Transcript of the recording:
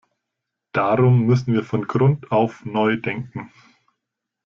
Darum müssen wir von Grund auf neu denken.